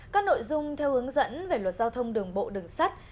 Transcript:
các nội dung theo hướng dẫn về luật giao thông đường bộ đường sắt